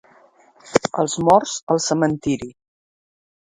Als morts, al cementiri.